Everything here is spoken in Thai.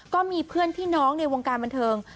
ก็มีเพื่อนพี่น้องในวงการบันเทิง